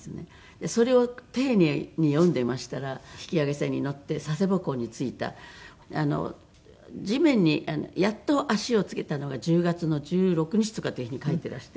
でそれを丁寧に読んでいましたら「引き揚げ船に乗って佐世保港に着いた」「地面にやっと足を着けたのが１０月の１６日」とかっていうふうに書いていらして。